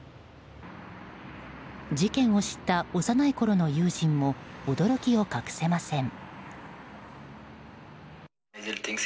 事件を知った幼いころの友人も驚きを隠せません。